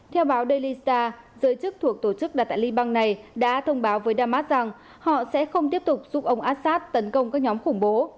theo báo daily star giới chức thuộc tổ chức đặt tại liban này đã thông báo với damas rằng họ sẽ không tiếp tục giúp ông assad tấn công các nhóm khủng bố